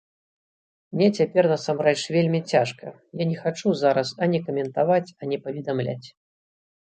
Мне цяпер насамрэч вельмі цяжка, я не хачу зараз ані каментаваць, ані паведамляць.